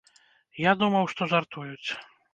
Я думаў, што жартуюць.